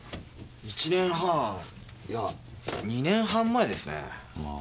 １年半いや２年半前ですね。